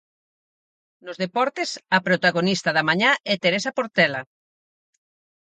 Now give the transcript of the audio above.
Nos deportes, a protagonista da mañá é Teresa Portela.